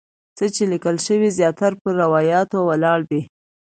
څه چې لیکل شوي زیاتره پر روایاتو ولاړ دي.